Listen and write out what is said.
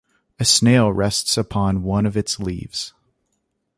A snail rests upon one of its leaves.